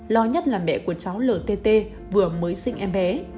lo nhất là mẹ của cháu lt vừa mới sinh em bé